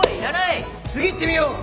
次いってみよう！